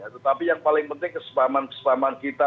tetapi yang paling penting kesepaman kesepaman kita